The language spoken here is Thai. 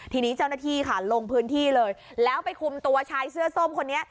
ทีนี้เจ้าหน้าที่ค่ะลงพื้นที่เลยแล้วไปคุมตัวชายเสื้อส้มคนนี้